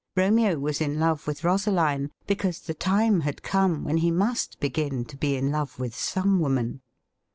Romeo was in love with Rosaline because the time had come when he must begin to be in love with some woman.